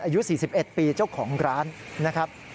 อายุ๔๑ปีเจ้าของร้านนะครับ